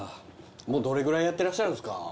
もうどれぐらいやってらっしゃるんですか？